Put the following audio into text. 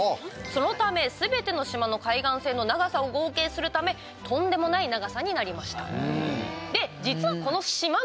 そのため、すべての島の海岸線の長さを合計するためとんでもない長さになりました。